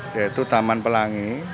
yaitu taman pelangi